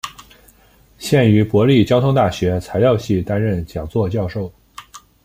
现于国立交通大学材料系担任讲座教授。